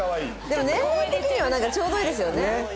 でも年齢的にはちょうどいいですよね。